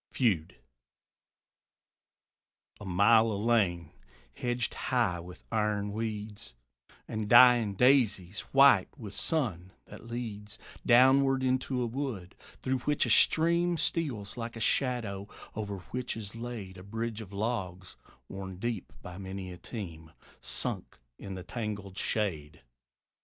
FEUD. A mile of lane, hedged high with iron weeds And dying daisies, white with sun, that leads Downward into a wood; through which a stream Steals like a shadow; over which is laid A bridge of logs, worn deep by many a team, Sunk in the tangled shade.